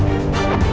harum apa ini